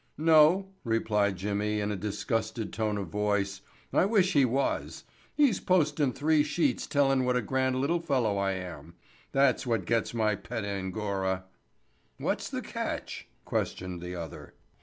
"No," replied Jimmy in a disgusted tone of voice. "I wish he was. He's postin' three sheets tellin' what a grand little fellow I am. That's what gets my pet Angora." "What's the catch?" questioned the other.